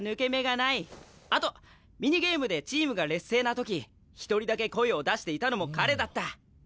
あとミニゲームでチームが劣勢な時一人だけ声を出していたのも彼だった。